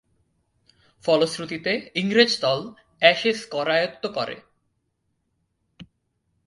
ফলশ্রুতিতে ইংরেজ দল অ্যাশেজ করায়ত্ত্ব করে।